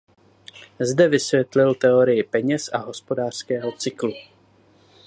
Zde vysvětlil teorii peněz a hospodářského cyklu.